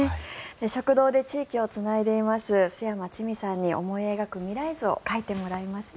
食堂で地域をつないでいます陶山智美さんに思い描く未来図を描いてもらいました。